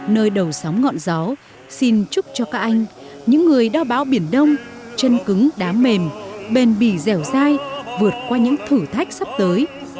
nơi đầu sóng ngọn gió xin chúc cho các anh những người đo bão biển đông chân cứng đá mềm bền bỉ dẻo dai vượt qua những thử thách sắp tới